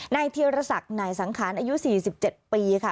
เทียรศักดิ์หน่ายสังขารอายุ๔๗ปีค่ะ